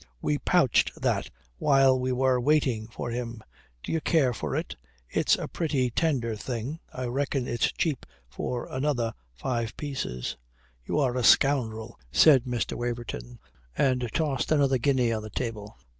We pouched that while we were waiting for him. D'ye care for it? It's a pretty, tender thing. I reckon it's cheap for another five pieces." "You are a scoundrel," said Mr. Waverton, and tossed another guinea on the table.